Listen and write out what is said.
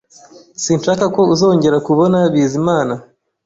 Sinshaka ko uzongera kubona Bizimana